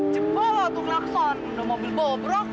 cepatlah tuh lakson udah mobil bobro